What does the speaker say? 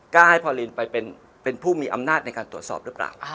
กล้าให้พอลินไปเป็นผู้มีอำนาจในการตรวจสอบหรือเปล่า